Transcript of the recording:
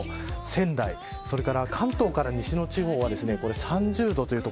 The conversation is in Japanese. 仙台、それから関東から西の地方は３０度という所。